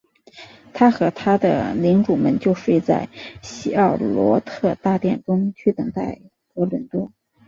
他和他的领主们就睡在希奥罗特大殿中去等待哥伦多。